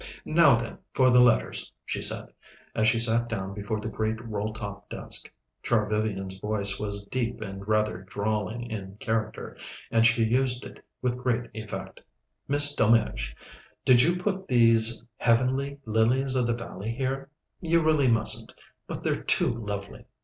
"Now, then, for the letters," she said, as she sat down before the great roll top desk. Char Vivian's voice was deep and rather drawling in character, and she used it with great effect. "Miss Delmege, did you put these heavenly lilies of the valley here? You really mustn't but they're too lovely.